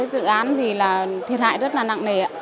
dự án thì là thiệt hại rất là nặng nề